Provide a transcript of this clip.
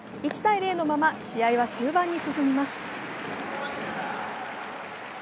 １−０のまま試合は終盤に進みます。